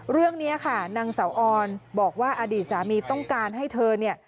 เรื่องนี้ค่ะนางเสาออนบอกว่าอดีตสามีต้องการให้เธอเนี่ย